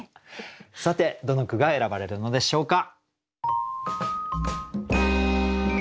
さてどの句が選ばれるのでしょうか。